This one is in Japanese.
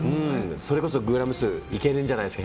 それこそグラム数いけるんじゃないですか。